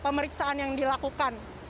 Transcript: pemeriksaan yang dilakukan